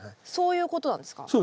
そういうことなんですか？